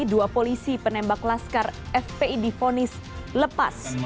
dua polisi penembak laskar fpi difonis lepas